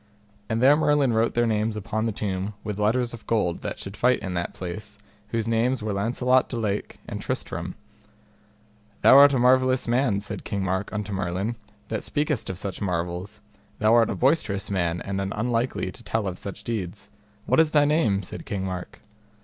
And there Merlin wrote their names upon the tomb with letters of gold that should fight in that place, whose names were Launcelot de Lake, and Tristram. Thou art a marvellous man, said King Mark unto Merlin, that speakest of such marvels, thou art a boistous man and an unlikely to tell of such deeds. What is thy name? said King Mark.